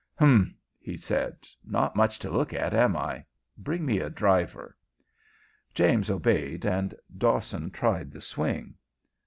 "Humph!" he said. "Not much to look at, am I? Bring me a driver." James obeyed, and Dawson tried the swing.